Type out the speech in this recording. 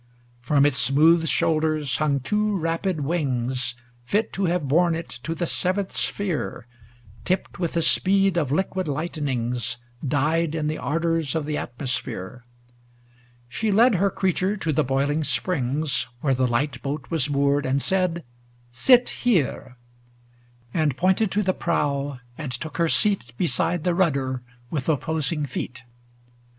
XXXVII From its smooth shoulders hung two rapid wings, Fit to have borne it to the seventh sphere, Tipped with the speed of liquid lightnings. Dyed in the ardors of the atmosphere. She led her creature to the boiling springs Where the light boat was moored, and said, ' Sit here !' And pointed to the prow and took her seat Beside the rudder with opposing feet.